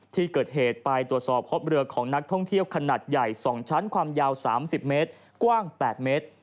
ที่เกิดเหตุไปตรวจสอบพบเรือของนักท่องเที่ยวขนาดใหญ่๒ชั้นความยาว๓๐เมตรกว้าง๘เมตร